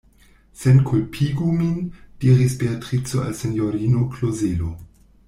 Senkulpigu min, diris Beatrico al sinjorino Klozelo.